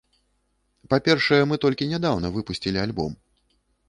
Па-першае, мы толькі нядаўна выпусцілі альбом.